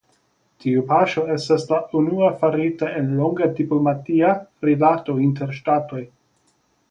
Tiu paŝo estas la unua farita en longa diplomatia rilato inter ŝtatoj.